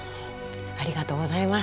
ありがとうございます。